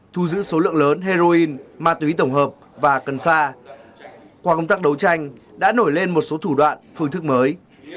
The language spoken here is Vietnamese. thu giữ số lượng lớn heroin ma túy tổng hợp và cần sa qua công tác đấu tranh đã nổi lên một số thủ đoạn phương thức mới